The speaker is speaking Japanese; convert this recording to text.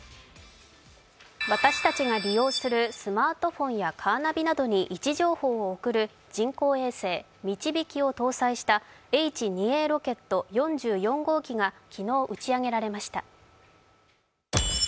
私たちが利用するスマートフォンやカーナビなどに位置情報を送る人工衛星「みちびき」を搭載したＨ２Ａロケット４４号機が昨日、打ち上げられました。